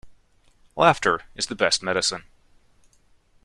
Laughter is the best medicine.